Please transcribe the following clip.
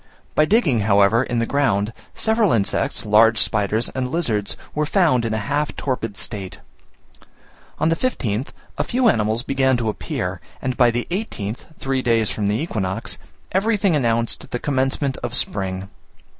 By digging, however, in the ground, several insects, large spiders, and lizards were found in a half torpid state. On the 15th, a few animals began to appear, and by the 18th (three days from the equinox), everything announced the commencement of spring.